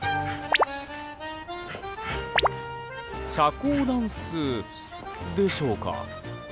社交ダンスでしょうか？